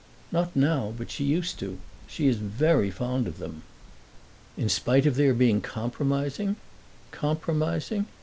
"Not now, but she used to. She is very fond of them." "In spite of their being compromising?" "Compromising?"